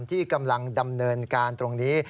ที่กำลังดำเนินการตรงนี้